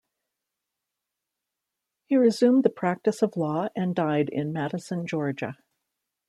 He resumed the practice of law and died in Madison, Georgia.